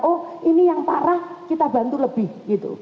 oh ini yang parah kita bantu lebih gitu